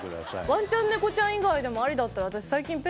ワンちゃんネコちゃん以外でもありだったら私何何？